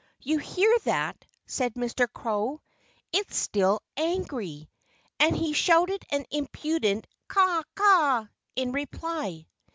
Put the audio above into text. "You hear that?" said Mr. Crow. "It's still angry." And he shouted an impudent caw caw in reply.